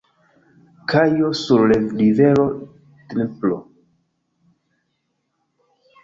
Kajo sur rivero Dnepro.